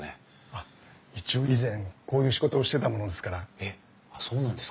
あ一応以前こういう仕事をしてたものですから。えっそうなんですか。